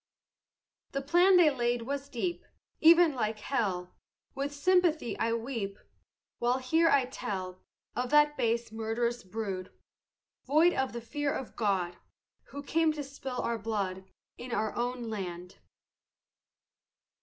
The plan they laid was deep Even like hell; With sympathy I weep, While here I tell Of that base murderous brood, Void of the fear of God, Who came to spill our blood In our own land.